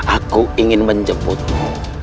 aku ingin menjemputmu